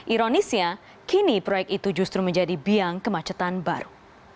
ironisnya kini proyek itu justru menjadi biang kemacetan baru